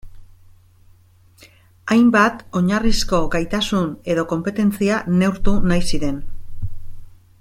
Hainbat oinarrizko gaitasun edo konpetentzia neurtu nahi ziren.